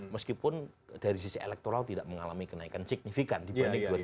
meskipun dari sisi elektoral tidak mengalami kenaikan signifikan dibanding dua ribu sembilan belas